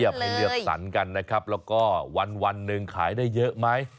เกียบให้เรียบสรรกันนะครับแล้วก็วันนึงขายได้เยอะไหม